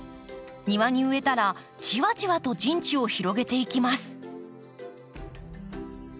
庭に植えたらじわじわと陣地を広げていきます。